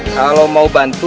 kalau mau bantu